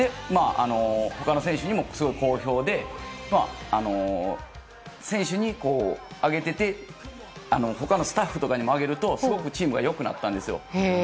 ほかの選手にもすごく好評で、選手にあげてて、ほかのスタッフとかにもあげると、すごくチームがよくなったんですよ。